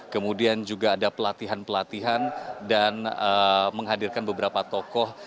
kemudian juga ada pelatihan pelatihan dan menghadirkan beberapa tokoh